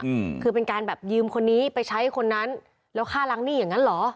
อืมคือเป็นการแบบยืมคนนี้ไปใช้คนนั้นแล้วฆ่าล้างหนี้อย่างงั้นเหรอ